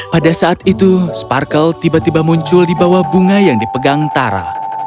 pada saat itu sparkle tiba tiba muncul di bawah bunga yang dipegang tara